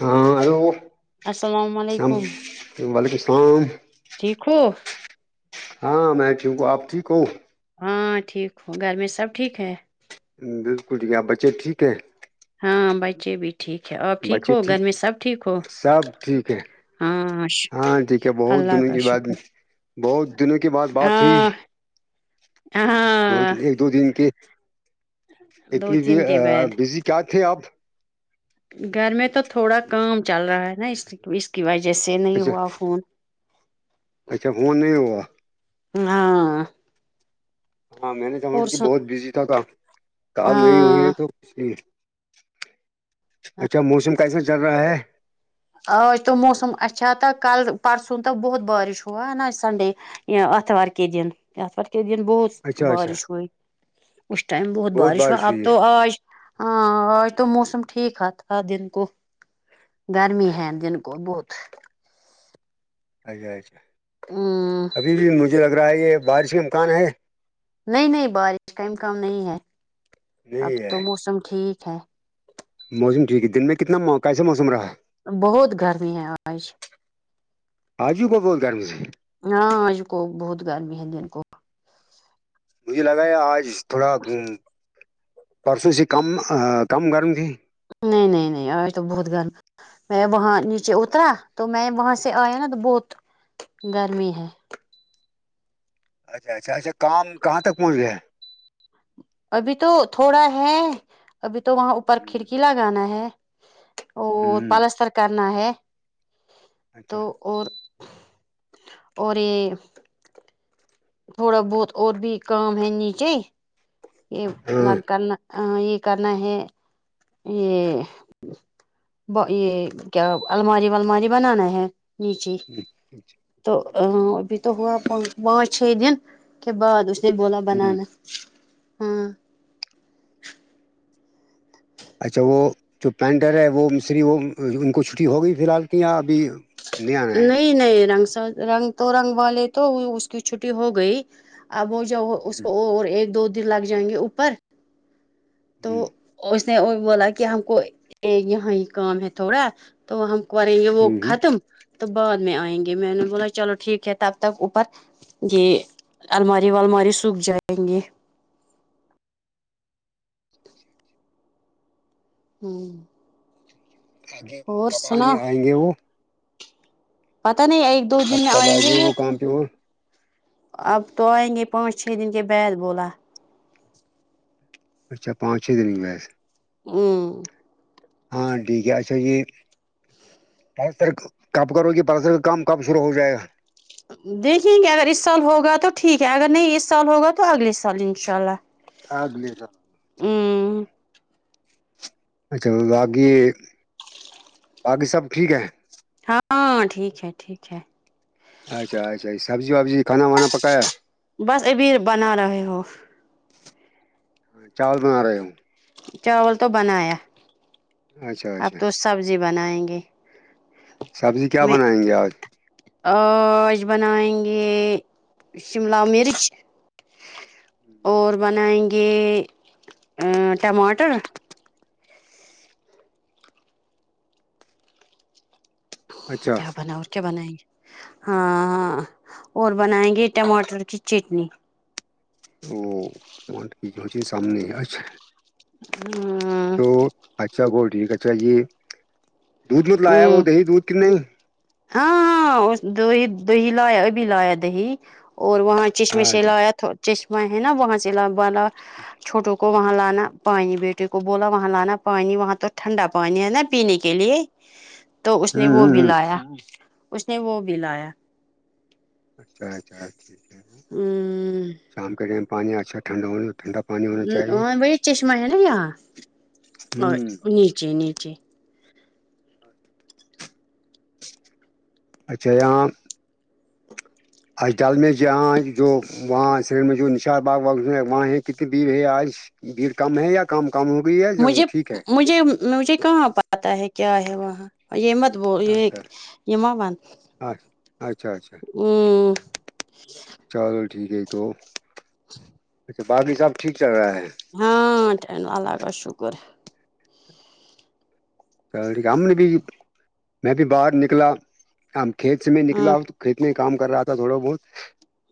ہاں ہیلو السلام اللام علیکم وعلیکم السلام ٹھیک ہو ہاں میں ٹھیک ہو آپ ٹھیک ہو ہاں ٹھیک ہوں گھر میں سب ٹھیک ہے بالکل ٹھیک ہے آپ بچے ٹھیک ہے ہاں بچے بھی ٹھیک ہے اور ٹھیک ہو گھر میں سب ٹھیک ہو سب ٹھیک ہے ہاں شو ہاں ٹھیک ہے بہت اللہ دنوں کا کی بعد شکر بہت دنوں کے بعد بات ہوئی ہاں دو ہاں ایک دو دن کے دو اتنی تین کے بعد بزی آ کیا تھے آپ گھر میں تو تھوڑا کام چل رہا ہے نا اس ئی اس کی وجہ سے نہیں اچھا ہوا فون اچھا فون نہیں ہوا ہاں ہاں میں نے سما اور کہ سن بہت بزی تھا تھا کال نہیں ہوئی ہاں ہے تو کچھ نہیں اچھا موسم کیسا چل رہا ہے آج تو موسم اچھا تھا کل پرسوں تک بہت بارش ہوا ہے نا سنڈے یہ اتوار کے دن اتوار کے دن بہت اچھا اچھا بارش ہوئی اس ٹائم بہت بارش ہوا اب تو آج ہاں آج تو موسم ٹھیک ہے تھا دن کو گرمی ہے دن کو بہت اچھا اچھا ہمم ابھی بھی مجھے لگ رہا ہے یہ بارش کے امکان ہے نہیں نہیں بارش کا امکان نہیں ہے اب نہیں ہے تو موسم ٹھیک ہے موسم ٹھیک ہے دن میں کتنا مو کیسا موسم رہا بہت گرمی ہے آج آج بھی بہت گرم سے ہاں آج تو بہت گرمی ہے دن کو مجھے لگا ہے آج تھوڑا پرسوں سے کم کم گرم تھی نہی نہی نہی آج تو بہت گرم میں وہاں نیچے اترا تو میں وہاں سے آیا نا تو بہت گرمی ہے اچھا اچھا اچھا کام کہاں تک پہنچ گیا ہے ابھی تو تھوڑا ہے ابھی تو وہاں اوپر کھڑکی لگانا ہے او پلستر کرنا ہے اچھا تو اور اور یہ تھوڑا بہت اور بھی کام ہے نیچے یہ ہاں لگ کرنا ہاں یہ کرنا ہے یہ ب یہ کیا الماری ول ماری بنانا ہے نیچے ہوں اچھا تو ابھی تو ہوا پانچ پانچ چھ دن کے بعد اس نے بولا ہوں۔ بنانا ہاں اچھا وہ جو پینٹر ہے وہ مصری وہ ان کو چھٹی ہوگئی فی الحال یہاں ابھی نیا ہے نہیں نہیں رنگ س رنگ تو رنگ والے تو اس کی چھٹی ہو گئی اب ج اور اس ہوں، کو اور ایک دو دن لگ جائیں گے اوپر تو ہوں اس نے وہ بولا کہ ہم کو یہاں ہی کام ہے تھوڑا تو ہم کریں گے وہ ہوں، ہوں۔ ختم تو بعد میں آئیں گے میں نے بولا چلو ٹھیک ہے تب تک اوپر یہ الماری والماری سوکھ جائیں گے ہوں سنا [unintelligible] پتا نہیں ایک دو دن اب میں کب آئیں گے وہ [unintelligible] اب تو آئیں گے پانچ چھ دن کے بید بولا اچھا پانچ چھ دن میں ہمم ہاں ٹھیک ہے اچھا یہ پر سر کب کرو گی پرسر کا کام کب شروع ہو جائے گا دیکھیں گے اگر ا اس سال ہوگا تو ٹھیک ہے اگر نہیں اس سال ہوگا تو اگلے سال ان شاء اللہ [unintelligible] ہمم اچھا باقی باقی سب ٹھیک ہے ہاں ٹھیک ہے ٹھیک ہے اچھا اچھا یہ سبزی وبزی کھانا وانا پکایا بس ابھی یہ بنا رہے ہو چاول بنا رہے ہو چاول تو بنایا اچھا اب اچھا تو سبزی بنائیں گے سبزی کیا میں بنائیں گے آج آج بنائیں گے شملہ مرچ اور بنائیں گے ا ٹماٹر اچھا کیا بناو اور کیا بنائیں گے ہاں اور بنائیں گے ٹماٹر کی چٹنی [unintelligible] ہاں تو اچھا گول ٹھیک ہے چلیے دودھ میںت لایا وہ ہاں دہی دودھ ک نہیں ہاں دو دہی لایا ابھی لایا دہی اور وہاں چشمے سے اچھا لایا تھ چشمہ ہے نا وہاں سے ل والا چھوٹوں کو وہاں لانا پانی بیٹے کو بولا وہاں لانا پانی وہاں تو ٹھنڈا پانی ہے نا پینے کے لیے تو اس نے وہ بھی ہ لایا اس نے وہ بھی لایا اچھااچھا اچھا ٹھیک ہے وہ ہ شام کے ٹائم پانی اچھا ٹھنڈا ہو بڑ چشمہ ہے نا یہاں اور ہ نیچے نیچے اچھا یہاں اچ ڈل م میںل ج ہاں جو وہاں سری م میں جو نشاط باغ وغ وہاں کتنے ب آج بھیڑ کم ہے یا کام کم ہو گئی ہے مجھے ٹھیک ہے مجھے مجھے کہاں پتہ ہے کیا ہے وہاں یہ مت بول یہ ہے کہ یہ ما ون اچ اچھا اچھا چلو ٹھیک ہے تو اچھا باقی سب ٹھیک چل رہا ہے ہاں ٹین اللہ کا شکر ہم نے بھی میں بھی باہر نکلا ہم کھیت سے میں ہاں نکلا کھیت میں کام کر رہا تھا تھوڑا بہت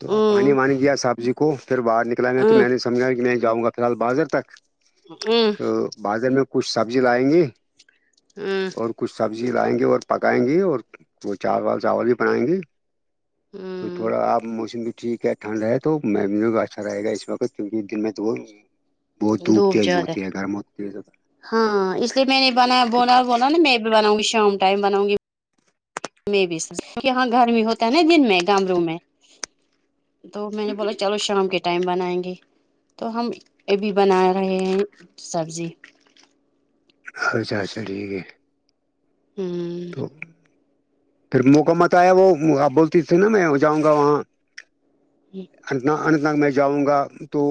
تو ہ پانی وانی دیا سبزی کو پھر باہر نک نکلا میں تو ہ میں نے سمجھا کہ میں جاؤں گا فی الحال بازر تک ہ تو بازار میں کچھ سبزی لائیں گی ہ اور کچھ سبزی لائیں گے اور پکائیں گے اور کو چا وال چاول بھی بنائیں گی ہ تو تھوڑا آپ موسم بھی ٹھیک ہے ٹھنڈ ہے تو م اچھا رہےا اس وقت کیونکہ دن میں تو وہ بہت دھوپ تیز زیادہ ہوتی ہے گرم ہوتی ہے ہاں اس تو میں نے بنا بونا بولنا نا میں بھی بناؤ گی شام ٹائم بناؤں گی میں بھی اس کیونکہ یہاں گھر میں ہوتا ہے نا دن میں گامروں میں تو میں نے بولا چلو شام کے ٹائم بنائیں گے تو ہم ابھی بنا رہے ہیں سبزی اچھا اچھا ٹھیک ہے ہوں تو پھر موقع مت آیا وہ آپ بولتی نا فلم میں جاؤں گا وہاں جی انتا انن [unintelligible] میں جاؤں گا تو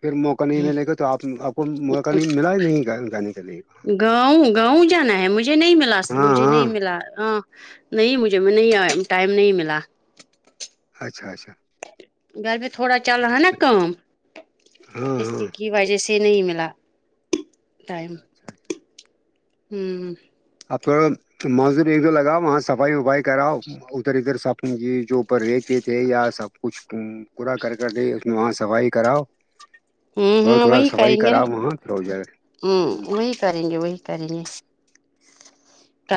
پھر موقع نہیں ملے گا تو آپ آپ کو موقع نہیں ملا نہیں گھر جانے کے لیے گاؤں گاؤں جانا ہے مجھے نہیں ملا ہاں مجھے ہاں نہیں ملا ہ نہیں مجھے مج میں نہیں آ ٹائم نہیں ملا اچھا اچھا گھر میں تھوڑا چل رہا نا کام ہاں اس ہاں کی وجہ سے نہیں ملا ٹائم اچھا ہوں آپ کو مزدور ایک دو لگاؤ وہاں صفائی وفائی کراؤ ادھر ادھر سپنی جی جو اوپرہے تھے یا سب کچھ پورا کر کرے اس میں وہاں صفائی کراؤ ہوں تھوڑا ہاں تھوڑا وہی صفائی کریں گے نا کراؤ وہاں ہو جائے ہ ہوں وہی کریں گے وہی کریں گے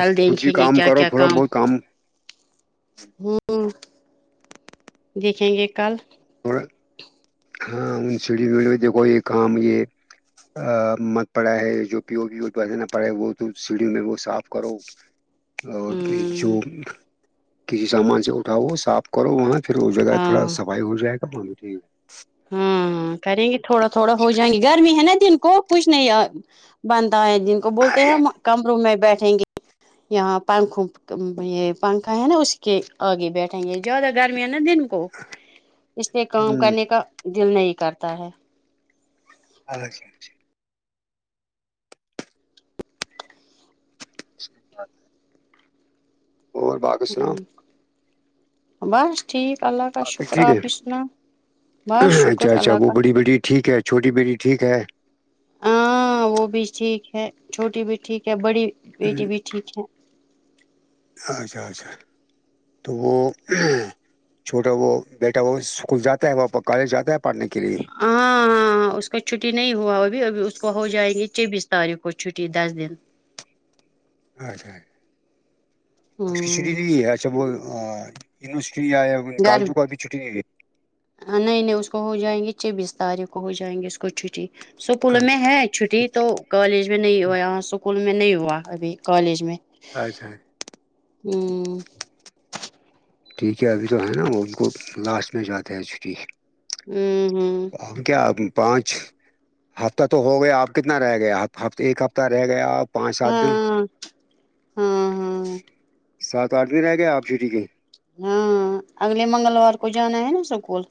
اب خود بھی دیکھیں گے کام کیا کرو کیا تھوڑا بہت کام ہوں دیکھیں گے کل [unintelligible] وا ہاں ہ شڑڑ دھو یہ کام یہ مت پڑا ہے جو پیویس نہ پڑا وہ تو سیڑھی میں وہ صاف کرو اور کے جو ہوں کسی سامان سے اٹھاؤ صاف کرو وہاں پھر وہ جگہ تھوڑا ہاں سفائی ہو جائے گا وہاں جی ہاں کریں گے تھوڑا تھوڑا ہو جائیں گی گرمی ہے نا دن کو کچھ نہیں بنتا ہے جن کو بولتے ہیں ہم ہے کمروں میں بیٹھیں گے یہاں پنکھوں یہ پنکھا ہے نا اس کے آگے بیٹھیں گے زیادہ گرمی ہے نا دن تو اس لیے کام ہوں کرنے کا دل نہیں کرتا ہے اچھا اچھا [unintelligible] [inaudible] اور با [unintelligible] ٹھیک اللہ کا باقی شکر ٹھیک آپ ہے بھی سناؤ بس شکر اچھا اچھا اللہ وہ کا بڑی بیٹی ٹھیک ہے چھوٹی بیٹی ٹھیک ہے ہاں وہ بھی ٹھیک ہے چھوٹی بھی ٹھیک ہے بڑی بیٹی بھی ٹھیک ہے اچھا اچھا تو چھوٹا وہ بیٹا وہ اسکول جاتا ہے وہ کالج جاتا ہے پڑھنے کے لیے ہاں ہاں اس کا چھٹی نہیں ہوا ابھی ابھی اس کو ہو جائیں گے چھبیس تاریخ کو چھٹی دس دن اچھا اس کی چھٹی ہوں نہیں ہے اچھا وہ یونیورسٹی آیا گھر کالجوں کو ابھی چھٹی نہیں دی نہیں نہیں اس کو ہو جائیں گی چھبیس تاریخ کو ہو جائیں گی اس کو اس کو چھٹی اسکول میں ہے چھٹی تو کالج میں نہیں ہوا اچھا یہاں اسکول میں نہیں ہوا ابھی کالج میں اچھا ہوں ٹھیک ہے ابھی تو ہے نا وہ ان کو لاسٹ میں جاتے ہیں چھٹی ہوں ہوں اور کیا ابھی پانچ ہفتہ تو ہو گیا اب کتنا رہ گئا ایک ہفتہ رہ گیا اب پانچ سات دن ہاں ہاں ہاں سات آٹھ دن رہ گئے اب چھٹی کے ہاں اگلے منگلوار کو جانا ہے نا سکول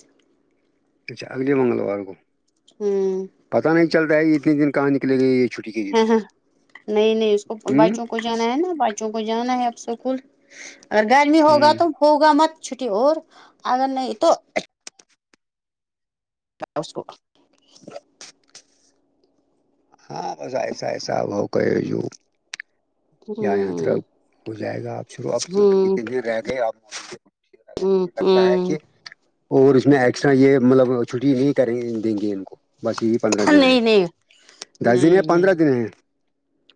اچھا اگلے منگلوار کو ہوں پتا نہیں چل رہا ہے یہ اتنے دن کہاں نکلے گئی ہ ہاں نہیں نہیں اس کو ہ بچوں کو کو جانا ہے نا بچوں کو جانا ہے اب اسکول اگر گرمی ہوگا ہ تو ہوگا مت چھٹی اور اگر نہیں تو [inaudible] ہاں بس ایسا ایسا ہوا کرے جو [inaudible] یہ یہطر ہوں ہو جائے گا آپ شروع اب ہوں کتنے دن رہ گئے اب ہوں مجھے لگتا ہے ہوں کہ اور اس میں ایکسٹرا یہ مطلب چھٹی نہیں کرنے دیں گے ان کو بس یہی پندرہ دن ہے نہیں نہیں دس دن یا نہیں پندرہ نہیں دن ہیں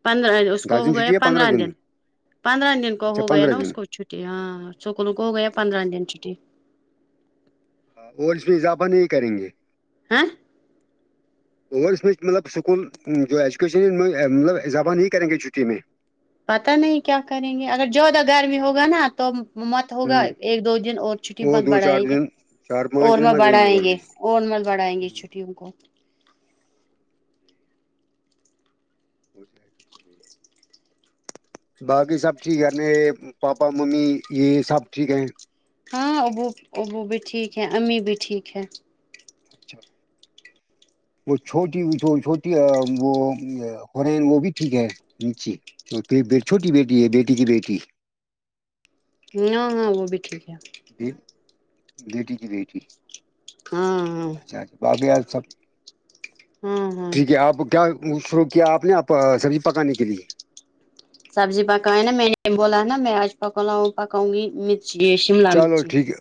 پندرہ اس کو ہو گیا پندرہ دن پندرہ دن کو اچھا ہو گیا پندرہ نا اس دن کو چھٹیاں اسکول کو ہو گئے پندرہ دن چھٹی اور بھی اضافہ نہیں کرینگے ہاں اولڈ سمیچ مطلب اسکول جو ایجوکیشن ہے میں مطلب اضافہ نہیں کریں گے چھٹی میں پتا نہیں کیا کریں گے اگر زیادہ گرمی ہوگا نا تو مت ہ ہوگا ایک دو دن اور چھٹی مت دو چار بڑھائیں گے دن چار پانچ اور دن م میں دیں بڑھائیں اور گے بھی اور مت بڑھائیں گے ہوں چھٹیوں کو ہو جائے گا پھر بھی باقی سب ٹھیک ہےنے پاپا ممی یہ سب ٹھیک ہیں ہاں ابو ابو بھی ٹھیک ہے امی بھی ٹھیک ہے اچھا وہ چھوٹی چھوٹی وہ ہون بہن وہ بھی ٹھیک ہے جی چھوٹی بیٹی ہے بیٹی کی بیٹی ہاں ہاں وہ بھی ٹھیک ہے بی بیٹی کی بیٹی ہاں ہاں اچھا باقی سب یار ہاں ہاں ٹھیک ہے آپ کا شروع کیا آپ نے آپ سبزی پکانے کے لیے سبزی پکا ہے نا میں نے بولا ہے نا میں آج پکا لا پکاوں گی یہ شملہ چلو مرچی ٹھیک ہے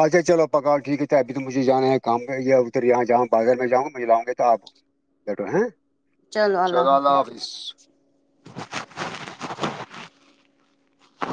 اچھا چلو پکاو ٹھیک ہے چائے پی کے مجھے جانا ہے کام میں یا ادھر یہاں جاو بازر میں جاوں مہلاوں گے تو آپ بیٹھو ہیں چلو اللہ حافظ